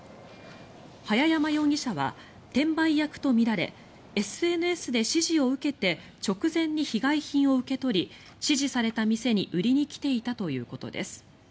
早山容疑者は転売役とみられＳＮＳで指示を受けて直前に被害品を受け取り指示された店に売りに来ていたということです。